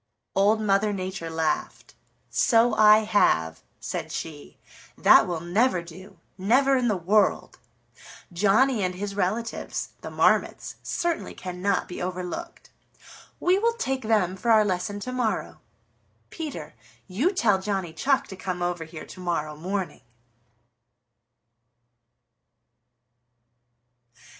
Old Mother Nature laughed. "So I have," said she. "That will never do, never in the world. Johnny and his relatives, the Marmots, certainly cannot be overlooked. We will take them for our lesson to morrow. Peter, you tell Johnny Chuck to come over here to morrow morning."